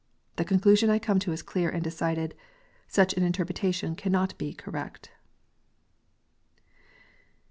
The con clusion I come to is clear and decided, such an interpretation cannot be correct.